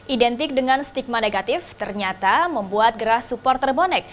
identik dengan stigma negatif ternyata membuat gerah supporter bonek